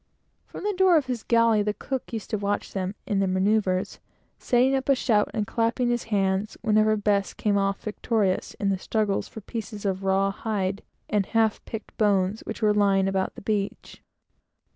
From the door of his galley, the cook used to watch them in their manoeuvres, setting up a shout and clapping his hands whenever Bess came off victorious in the struggles for pieces of raw hide and half picked bones which were lying about the beach.